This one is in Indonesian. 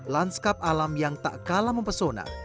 lanskap alam yang tak kalah mempesona